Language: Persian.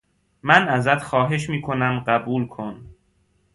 من ازت خواهش می کنم قبول کن